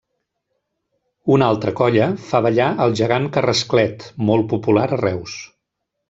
Una altra colla fa ballar el gegant Carrasclet, molt popular a Reus.